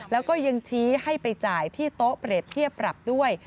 แล้วก็ยังชี้ให้ไปจ่ายที่โต๊ะเปรียบเทียบปรับด้วย